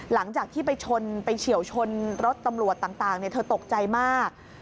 หลังจากที่ไปชนไปเฉียวชนรถตำรวจต่างเธอตกใจมาก